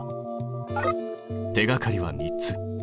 手がかりは３つ。